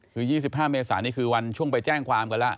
คือ๒๕เมษานี่คือวันช่วงไปแจ้งความกันแล้ว